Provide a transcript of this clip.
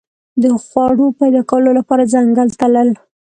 د خوړو پیدا کولو لپاره ځنګل تلل.